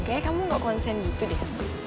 kayaknya kamu gak konsen gitu deh